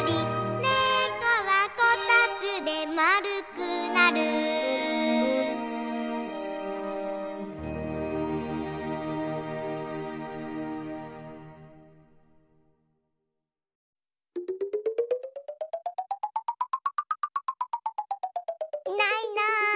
「ねこはこたつでまるくなる」いないいない。